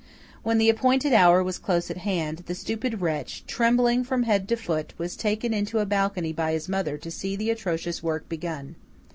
When the appointed hour was close at hand, the stupid wretch, trembling from head to foot, was taken into a balcony by his mother to see the atrocious work begun.